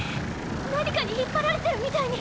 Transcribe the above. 何かに引っ張られてるみたいに。